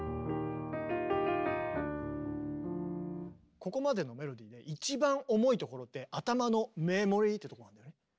ここまでのメロディーで一番重いところって頭の「メモリー」ってとこなんだよね。